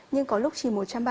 nhưng có lúc chỉ một trăm ba mươi